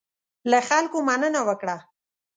له خلکو مننه وکړه.